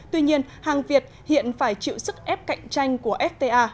tuy nhiên hàng việt hiện phải chịu sức ép cạnh tranh của fta